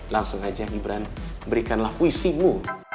langsung aja gibran berikanlah puisimu